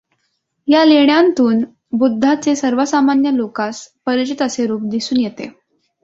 या लेण्यांतून बुद्धाचे सर्वसामान्य लोकांस परिचित असे रूप दिसून येते.